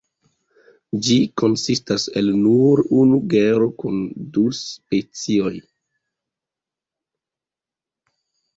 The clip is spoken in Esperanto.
Ĝi konsistas el nur unu genro kun du specioj.